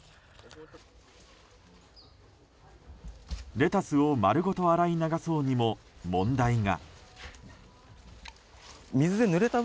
レタスを丸ごと洗い流そうにも問題が。